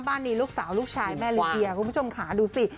บ้านนี้ลูกสาวลูกชายแม่ลิเกียคุณผู้ชมขาดูสิ